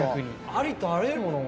ありとあらゆる物が。